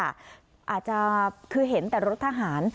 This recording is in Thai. อาจจะคือเห็นแต่รถทหาร